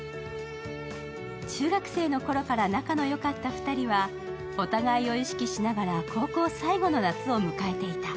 中学生の頃から仲の良かった２人はお互いを意識しながら高校最後の夏を迎えていた。